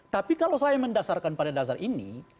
tapi kalau saya mendasarkan pada dasar ini